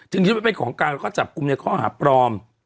จึงที่นี่มันเป็นของการการการจับกุมในข้อหาปลอม